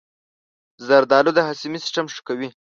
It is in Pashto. زردآلو د هاضمې سیستم ښه کوي.